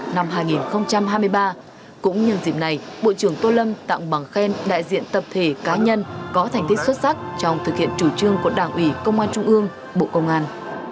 năm hai nghìn hai mươi ba cũng nhân dịp này bộ trưởng tô lâm tặng bằng khen đại diện tập thể cá nhân có thành tích xuất sắc trong thực hiện chủ trương của đảng ủy công an trung ương bộ công an